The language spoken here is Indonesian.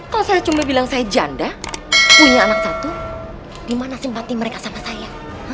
kalau saya cuma bilang saya janda punya anak satu dimana simpati mereka sama saya